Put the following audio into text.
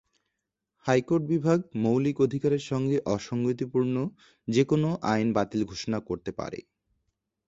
High court বিভাগ মৌলিক অধিকারের সঙ্গে অসঙ্গতিপূর্ণ যেকোন আইন বাতিল ঘোষণা করতে পারে।